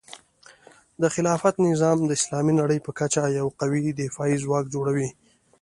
د خلافت نظام د اسلامي نړۍ په کچه یو قوي دفاعي ځواک جوړوي.